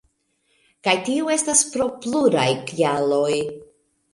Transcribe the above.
Kaj tio estas pro pluraj kialoj.